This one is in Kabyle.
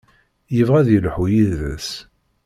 Yebɣa ad yelḥu yid-s.